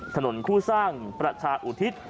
ถนนคู่สร้างประชาอุทิศ